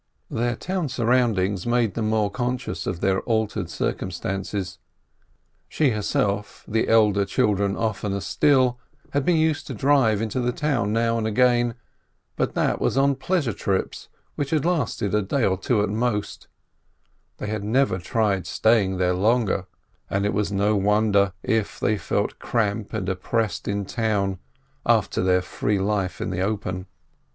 Their town surroundings made them more conscious of their altered circumstances. She herself, the elder children oftener still, had been used to drive into the town now and again, but that was on pleasure trips, which had lasted a day or two at most ; they had never tried staying there longer, and it was no wonder if they felt cramped and oppressed in town after their free life in the open.